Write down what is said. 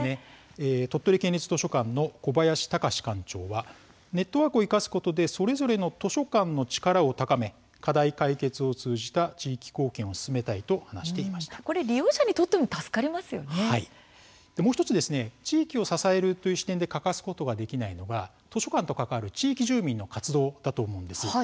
鳥取県立図書館の小林隆志館長はネットワークを生かすことでそれぞれの図書館の力を高め課題解決を通じた地域貢献を進めたいと利用者にとってももう１つ地域を支えるという点で欠かすことができないのが図書館と関わる地域住民の活動だと思うんです。